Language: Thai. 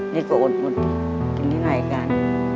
นี่ก็อดหมดกินที่รายการ